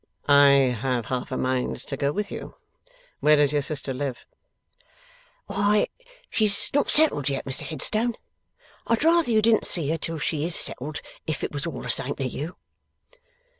'I have half a mind to go with you. Where does your sister live?' 'Why, she is not settled yet, Mr Headstone. I'd rather you didn't see her till she is settled, if it was all the same to you.